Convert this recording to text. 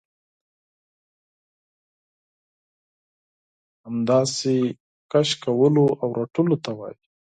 همداسې کش کولو او رټلو ته وايي.